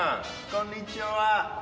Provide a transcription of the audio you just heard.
こんにちは。